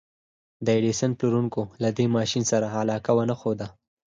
د ايډېسن پلورونکو له دې ماشين سره علاقه ونه ښوده.